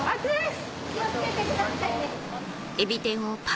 気を付けてくださいね。